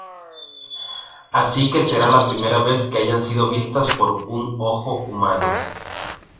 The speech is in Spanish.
Así que será la primera vez que hayan sido vistas por un ojo humano.